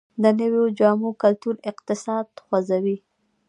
د نویو جامو کلتور اقتصاد خوځوي